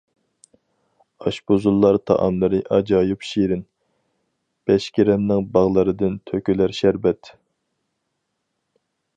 ئاشپۇزۇللار تائاملىرى ئاجايىپ شېرىن، بەشكېرەمنىڭ باغلىرىدىن تۆكۈلەر شەربەت.